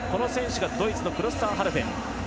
ドイツのクロスターハルフェン。